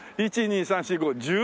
１２３４５十